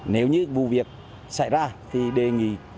nếu như vụ việc xảy ra thì đề nghị